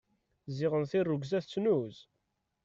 Ziɣen tirrugza tettnuz.